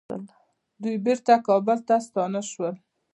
دوی بیرته کابل ته ستانه شول.